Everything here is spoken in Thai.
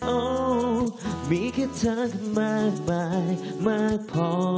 โอ้มีแค่เธอมากมายมากพอ